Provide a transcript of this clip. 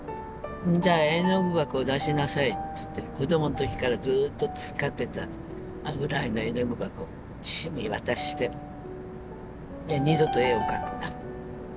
じゃあ絵の具箱を出しなさい」って言って子どもの時からずっと使ってた油絵の絵の具箱父に渡して「二度と絵を描くな。